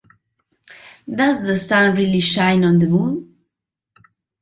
Does the Sun Really Shine on the Moon?